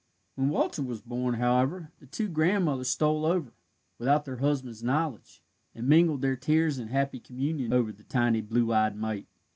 When Walter was born, however, the two grandmothers stole over, without their husbands' knowledge, and mingled their tears in happy communion over the tiny blue eyed mite.